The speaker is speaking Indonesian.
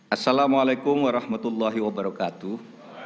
assalamualaikum warahmatullahi wabarakatuh